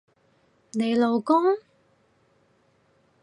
你老公？